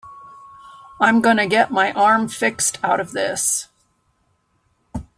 I'm gonna get my arm fixed out of this.